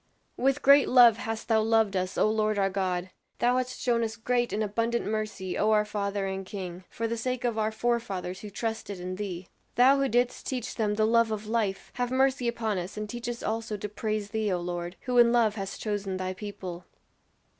"With great love hast thou loved us, O Lord our God; thou hast shown us great and abundant mercy, O our Father and King, for the sake of our forefathers who trusted in thee! Thou who didst teach them the love of life; have mercy upon us and teach us also to praise thee, O Lord, who in love hast chosen thy people!"